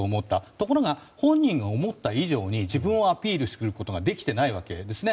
ところが本人が思った以上に自分をアピールすることができてないわけですね。